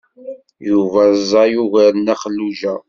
Yuba ẓẓay ugar n Nna Xelluǧa.